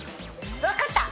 分かった。